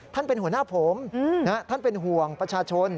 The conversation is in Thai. เป็นหัวหน้าผมท่านเป็นห่วงประชาชน